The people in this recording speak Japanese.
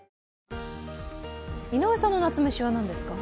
井上さんの夏メシは何ですか？